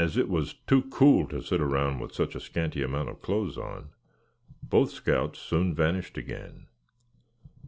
As it was too cool to sit around with such a scanty amount of clothes on, both scouts soon vanished again.